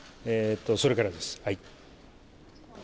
それからです。